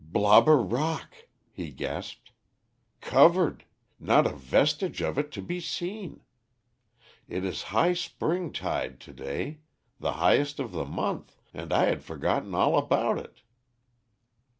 "Blobber Rock," he gasped. "Covered! Not a vestige of it to be seen! It is high spring tide to day, the highest of the month, and I had forgotten all about it."